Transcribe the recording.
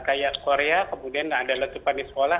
kayak korea kemudian ada letupan di sekolah